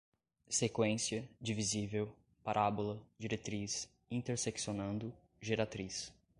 sequência, divisível, parábola, diretriz, interseccionando, geratriz